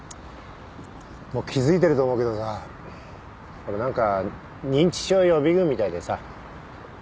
もう気付いてると思うけどさ俺何か認知症予備軍みたいでさ。